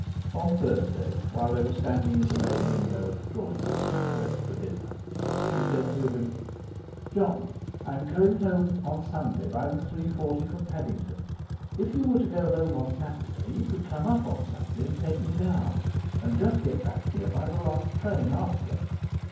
On Thursday, while they were standing in the bay window of the drawing room, dressed for dinner, she said to him: "Jon, I'm going home on Sunday by the 3.40 from Paddington; if you were to go home on Saturday you could come up on Sunday and take me down, and just get back here by the last train, after.